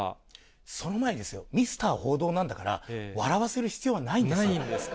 その前にですよ、ミスター報道なんだから、ないんですか？